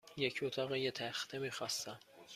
یک اتاق یک تخته میخواستم.